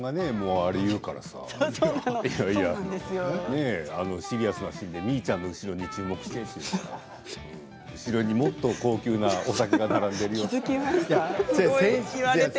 あれを言うからさシリアスなシーンでみーちゃんの後ろに注目しているって後ろにもっと高級なお酒が並んでいるって。